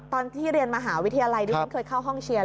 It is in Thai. ตอนที่เรียนมหาวิทยาลัยดิฉันเคยเข้าห้องเชียร์